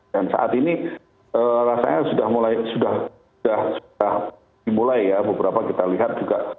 dan saat ini rasanya sudah mulai sudah dimulai ya beberapa kita lihat juga